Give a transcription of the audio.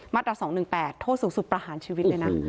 ตรา๒๑๘โทษสูงสุดประหารชีวิตเลยนะ